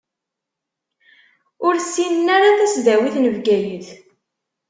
Ur ssinen ara tasdawit n Bgayet.